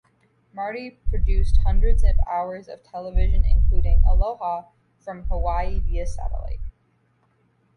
Marty produced hundreds of hours of television including Aloha from Hawaii Via Satellite.